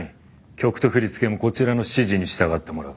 曲と振り付けもこちらの指示に従ってもらう